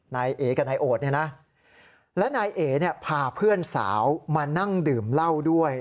นายเอ๋กับนายโอดและนายเอ๋พาเพื่อนสาวมานั่งดื่มเล่าด้วย